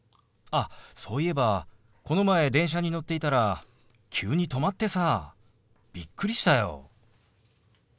あそういえばこの前電車に乗っていたら急に止まってさびっくりしたよ。